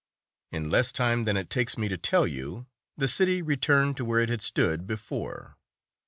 In less time than it takes me to tell you, the city returned to where it had stood before.